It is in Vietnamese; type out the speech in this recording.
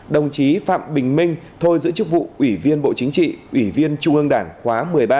đồng chí phạm bình minh thôi giữ chức vụ ủy viên bộ chính trị ủy viên trung ương đảng khóa một mươi ba